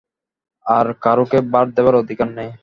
আর কারোকে ভার দেবার অধিকার নেই।